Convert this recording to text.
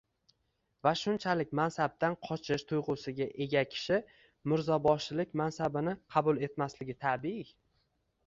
va shunchalik mansabdan qochish tuyg’usiga ega kishi mirzoboshilik mansabini qabul etmasligi tabiiy.